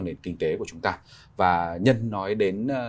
nền kinh tế của chúng ta và nhân nói đến